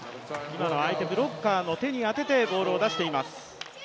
今のは相手、ブロッカーの手に当ててボールを出しています。